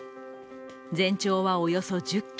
全長はおよそ１０ｋｍ。